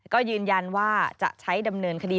ก็ยืนยันว่าจะใช้ดำเนินคดี